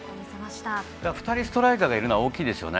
２人ストライカーがいるのは大きいですね。